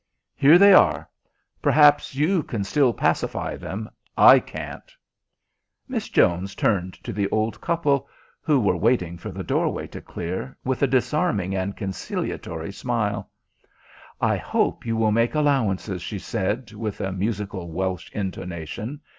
Here they are. Perhaps you can still pacify them. I can't." Miss Jones turned to the old couple, who were waiting for the doorway to clear, with a disarming and conciliatory smile. "I hope you will make allowances," she said, with a musical Welsh intonation.